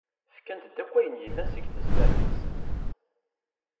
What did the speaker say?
Fkant-d akk ayen yellan deg tezmert-nsent.